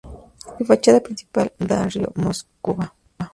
Su fachada principal da al río Moscova.